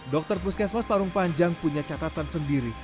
dokter puskesmas parung panjang punya catatan sendiri